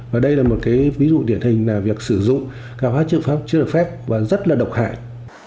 và đây là một cái ví dụ điển hình là việc sử dụng các hóa chất phẩm chưa được phép và rất là độc hại